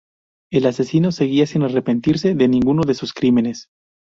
El asesino seguía sin arrepentirse de ninguno de sus crímenes.